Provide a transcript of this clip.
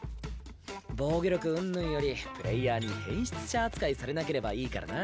防御力うんぬんよりプレイヤーに変質者扱いされなければいいからな。